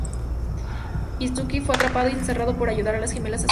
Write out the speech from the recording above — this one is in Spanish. Itsuki fue atrapado y encerrado por ayudar a las gemelas a escapar.